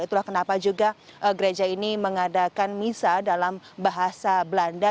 itulah kenapa juga gereja ini mengadakan misa dalam bahasa belanda